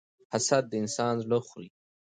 حسد د انسان زړه خوري.